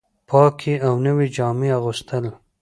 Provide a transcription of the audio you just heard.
پاکې او نوې جامې اغوستل